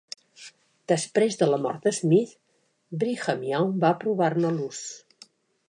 Després de la mort de Smith, Brigham Young va aprovar-ne l'ús.